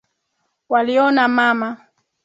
Waliona mama.